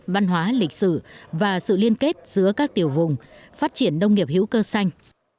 văn hóa lịch sử và sự liên kết giữa các tiểu vùng phát triển nông nghiệp hữu cơ xanh